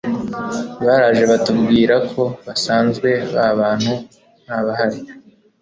baraje batubwira ko basanze ba bantu ntabahari